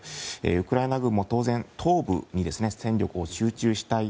ウクライナ軍も当然東部に戦力を集中したい